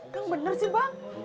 bang bener sih bang